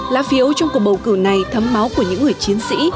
lá phiếu trong cuộc bầu cử này thấm máu của những người chiến sĩ